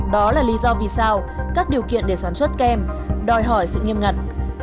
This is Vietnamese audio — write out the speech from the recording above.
đó là lý do vì sao các điều kiện để sản xuất kem đòi hỏi sự nghiêm ngặt